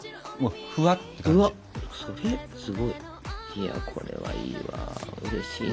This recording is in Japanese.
いやこれはいいわうれしいな。